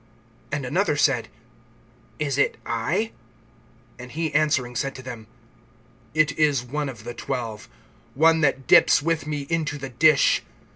And another said: Is it I? (20)And he answering said to them: It is one of the twelve, one that dips with me into the dish.